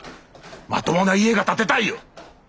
まともな家が建てたいよ！